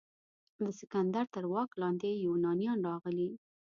د سکندر تر واک لاندې یونانیان راغلي.